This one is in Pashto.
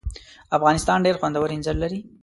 افغانستان ډېر خوندور اینځر لري.